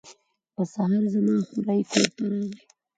په سهار زما خوریی کور ته راغی.